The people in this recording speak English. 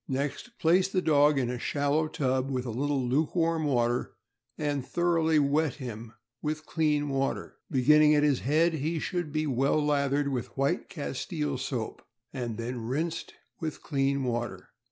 Next, place the dog in a shallow tub, with a little lukewarm water, and thoroughly wet him with clean water. Beginning at his head, he should be well lathered with white castile soap, and then rinsed with clean water.